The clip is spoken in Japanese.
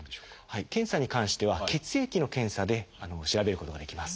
検査に関しては血液の検査で調べることができます。